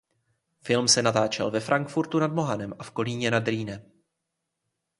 Film se natáčel ve Frankfurtu nad Mohanem a v Kolíně nad Rýnem.